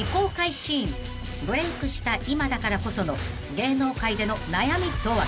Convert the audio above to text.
［ブレイクした今だからこその芸能界での悩みとは？］